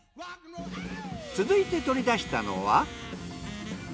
続いて取り出したのは。